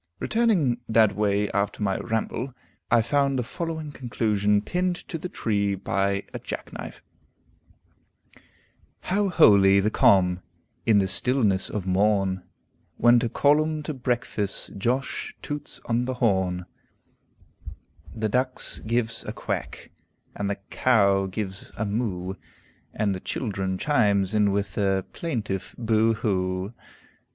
Returning that way after my ramble, I found the following conclusion pinned to the tree by a jackknife: "How holy the calm, in the stillness of morn, When to call 'em to breakfast Josh toots on the horn, The ducks gives a quack, and the caow gives a moo, And the childen chimes in with their plaintive boo hoo.